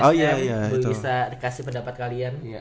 saya bisa dikasih pendapat kalian